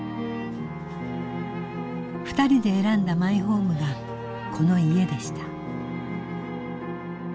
２人で選んだマイホームがこの家でした。